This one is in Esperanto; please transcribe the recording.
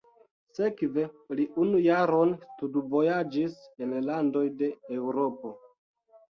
Sekve li unu jaron studvojaĝis en landoj de Eŭropo.